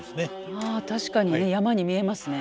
あ確かに山に見えますね。